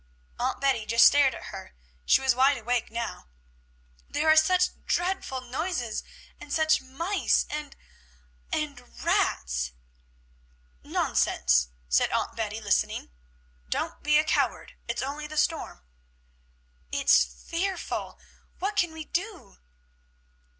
Aunt Betty just stared at her; she was wide awake now. "There are such dreadful noises, and such mice, and and rats!" "Nonsense!" said Aunt Betty, listening. "Don't be a coward! It's only the storm." "It's fearful! What can we do?"